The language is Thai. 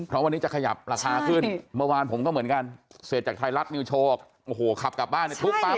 เพราะวันนี้จะขยับราคาขึ้นเมื่อวานผมก็เหมือนกันเสร็จจากไทยรัฐนิวโชว์โอ้โหขับกลับบ้านในทุกปั๊บ